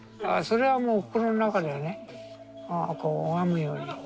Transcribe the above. ああそれはもう心の中ではねこう拝むように。